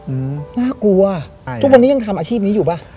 อืมน่ากลัวใช่ทุกวันนี้ยังทำอาชีพนี้อยู่ป่ะ